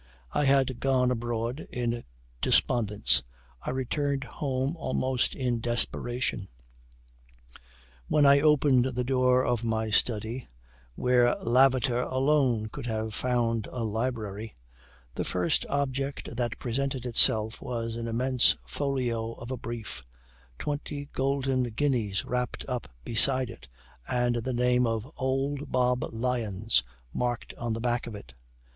I had gone abroad in despondence I returned home almost in desperation. When I opened the door of my study, where Lavater alone could have found a library, the first object that presented itself was an immense folio of a brief, twenty golden guineas wrapped up beside it, and the name of Old Bob Lyons marked on the back of it.